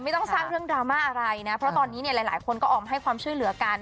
สร้างเรื่องดราม่าอะไรนะเพราะตอนนี้เนี่ยหลายคนก็ออกมาให้ความช่วยเหลือกัน